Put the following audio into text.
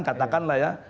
silahkan katakanlah ya